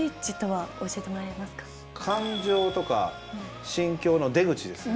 感情とか心境の出口ですね。